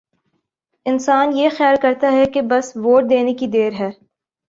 انسان یہ خیال کرتا ہے کہ بس ووٹ دینے کی دیر ہے۔